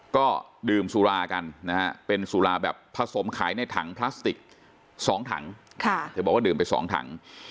ก็ดื่มสุรากันนะฮะเป็นสุราแบบผสมขายในถังพลาสติก๒ถังเธอบอกว่าดื่มไป๒ถัง